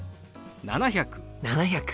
「７００」。